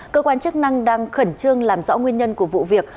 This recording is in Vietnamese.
cơ quan chức năng đang khẩn trương làm rõ nguyên nhân của vụ việc